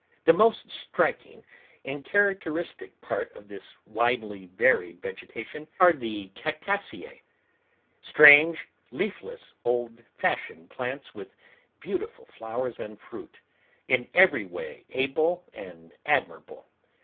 The most striking and characteristic part of this widely varied vegetation are the cactaceae—strange, leafless, old fashioned plants with beautiful flowers and fruit, in every way able and admirable.